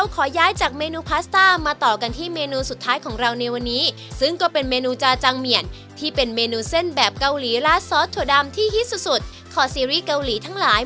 ขอสีรีส์เกาหลีทั้งหลาย